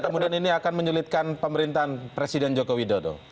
kemudian ini akan menyulitkan pemerintahan presiden joko widodo